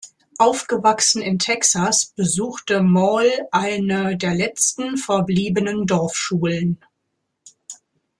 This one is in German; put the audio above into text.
Aufgewachsen in Texas, besuchte Maule eine der letzten verbliebenen Dorfschulen.